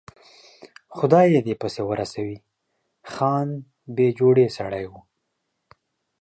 خدای یې دې پسې ورسوي، خان بې جوړې سړی و.